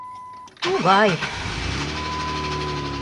Тугай!